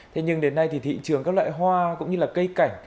thế nhưng đến nay thì thị trường các loại hoa cũng như là cây cảnh